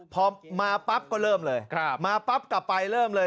พอมาปั๊บก็เริ่มเลยมาปั๊บกลับไปเริ่มเลย